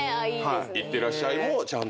いってらっしゃいもちゃんと。